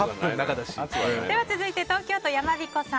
では続いて東京都の方。